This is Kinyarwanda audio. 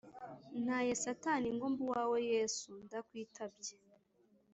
Ntaye satani ngo mbe uwawe yesu ndakwitabye